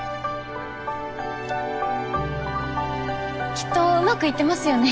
きっとうまくいってますよね